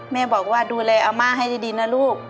แม่บอกว่าดูแลอาม่าให้ดีนะลูก